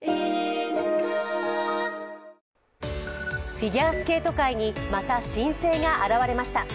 フィギュアスケート界にまた新星が現れました。